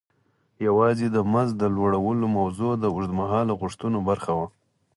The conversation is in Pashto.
یوازې د مزد د لوړولو موضوع د اوږد مهاله غوښتنو برخه وه.